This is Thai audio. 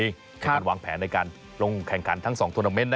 ในการวางแผนในการลงแข่งขันทั้ง๒ทวนาเมนต์